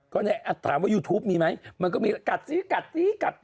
ก็เนี่ยถามว่ายูทูปมีไหมมันก็มีกัดซิกัดซิกัด